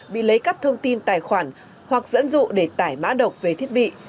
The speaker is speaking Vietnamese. bị lấy cắp thông tin tài khoản hoặc dẫn dụ để tải mã độc về thiết bị